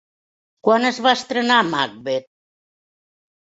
Quan es va estrenar Macbeth?